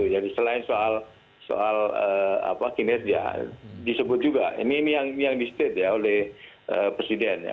jadi selain soal kinerja disebut juga ini yang di state oleh presiden ya